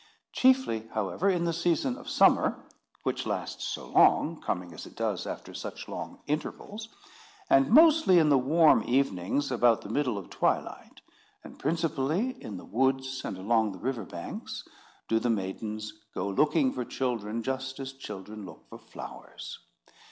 Chiefly, however, in the season of summer, which lasts so long, coming as it does after such long intervals; and mostly in the warm evenings, about the middle of twilight; and principally in the woods and along the river banks, do the maidens go looking for children just as children look for flowers.